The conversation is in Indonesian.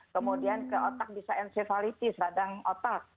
kemudian ke otak bisa encefalitis radang otak